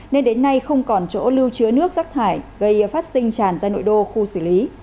nên đến nay không còn chỗ lưu chứa nước rác thải gây phát sinh tràn ra nội đô khu xử lý